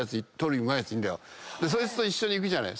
そいつと一緒に行くじゃない。